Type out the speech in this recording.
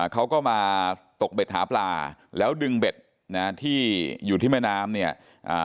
เขาก็มาตกเบ็ดหาปลาแล้วดึงเบ็ดนะที่อยู่ที่แม่น้ำเนี่ยอ่า